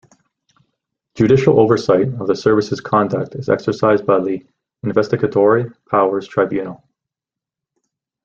Judicial oversight of the service's conduct is exercised by the Investigatory Powers Tribunal.